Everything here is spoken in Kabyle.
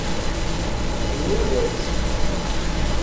Nnuda-tt.